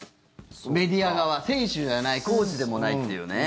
メディア側、選手じゃないコーチでもないっていうね。